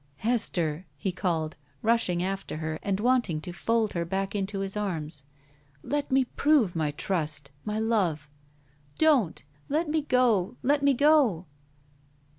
"Hester," he called, rushing after her and wanting to fold her back into his arms, "let me prove my trust — ^my love —" "Don't! Let me go! Let me go!"